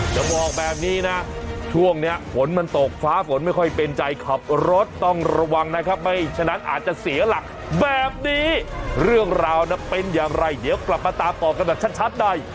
จะบอกแบบนี้นะช่วงนี้ฝนมันตกฟ้าฝนไม่ค่อยเป็นใจขับรถต้องระวังนะครับไม่ฉะนั้นอาจจะเสียหลักแบบนี้เรื่องราวน่ะเป็นอย่างไรเดี๋ยวกลับมาตามต่อกันแบบชัดใน